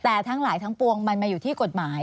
แต่ทั้งหลายทั้งปวงมันมาอยู่ที่กฎหมาย